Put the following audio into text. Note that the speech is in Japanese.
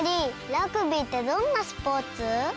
ラグビーってどんなスポーツ？